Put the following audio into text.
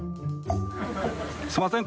すいません